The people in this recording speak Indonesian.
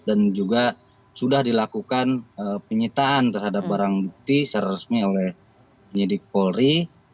dan juga sudah dilakukan penyitaan terhadap barang bukti secara resmi oleh penyidik polri